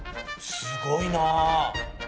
すごいな！